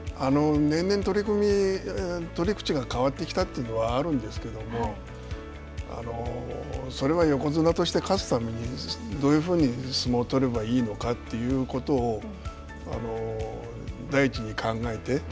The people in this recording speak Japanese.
年々取組、取り口が変わったきたというのはあるんですけどもそれは横綱として勝つためにどういうふうに相撲を取ればいいのかということを第一に考えて。